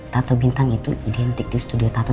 tato bintang itu identik di studio tato